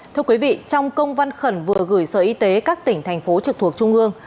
thưa quý vị trong công văn khẩn vừa gửi sở y tế các tỉnh thành phố trực thuộc trung ương